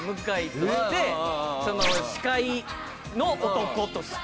司会の男として。